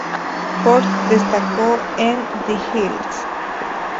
Port destacó en The Hills.